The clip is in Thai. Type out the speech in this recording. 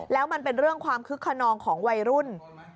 แล้วมันเป็นเรื่องความคึกขนองของวัยรุ่น